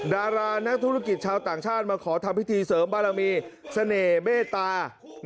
ดารานักธุรกิจชาวต่างชาติมาขอทำพิธีเสริมบารมีเสน่ห์เมตตา